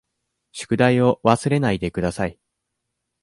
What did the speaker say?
宿題を忘れないでください。